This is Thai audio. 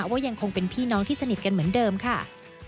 ว่ายังคงเป็นพี่น้องที่สนิทกันเหมือนเดิมค่ะ